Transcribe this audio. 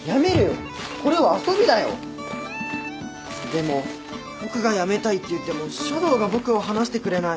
でも僕がやめたいっていっても書道が僕を放してくれない。